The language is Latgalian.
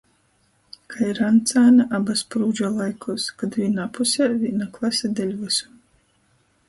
Kai Rancāna aba Sprūdža laikūs, kod vīnā pusē vīna klase deļ vysu.